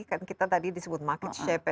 kan kita tadi disebut market shape ya